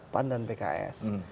pan dan pks